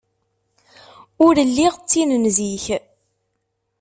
Ur lliɣ d tin n zik.